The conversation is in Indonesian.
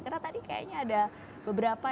karena tadi kayaknya ada beberapa